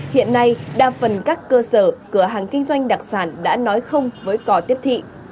hiện nay đa phần các cơ sở cửa hàng kinh doanh đặc sản đã nói không với cò tiếp thị